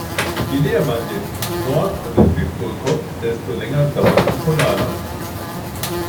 Je näher man dem Nord- oder Südpol kommt, desto länger dauert die Polarnacht.